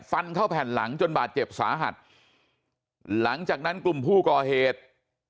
ฟันเข้าแผ่นหลังจนบาดเจ็บสาหัสหลังจากนั้นกลุ่มผู้ก่อเหตุ